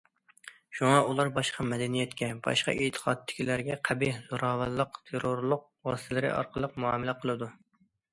شۇڭا، ئۇلار باشقا مەدەنىيەتكە، باشقا ئېتىقادتىكىلەرگە قەبىھ، زوراۋانلىق، تېررورلۇق ۋاسىتىلىرى ئارقىلىق مۇئامىلە قىلىدۇ.